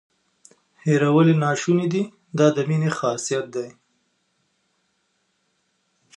هیرول یې ناشونې دي دا د مینې خاصیت دی.